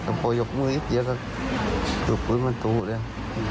ก็โปยกมืออีกเยอะกันหลบปืนมันตั่วอยู่แล้ว